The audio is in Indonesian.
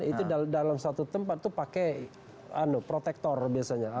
itu dalam satu tempat itu pakai protektor biasanya